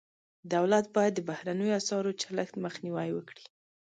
دولت باید د بهرنیو اسعارو چلښت مخنیوی وکړي.